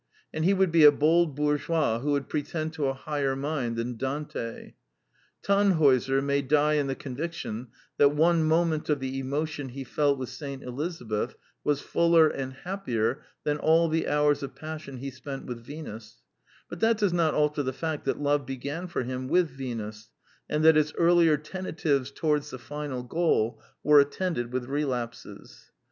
And he would be a bold bourgeois who would pretend to a higher mind than Dante. Tannhauser may die in the conviction that one moment of the emotion he felt with St. Elizabeth was fuller and happier than all the hours of passion he spent with Venus ; but that does not alter the fact that love began for him with Venus, and that its earlier tentatives towards the final goal were attended with relapses.